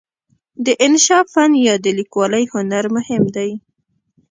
د انشأ فن یا د لیکوالۍ هنر مهم دی.